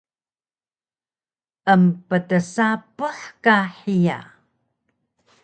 Emptsapuh ka hiya